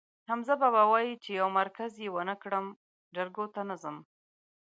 حمزه بابا وایي: چې یو مرگز یې ونه کړم، جرګو ته ځم.